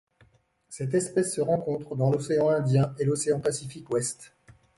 Cette espèce se rencontre dans l'océan Indien et l'océan Pacifique ouest.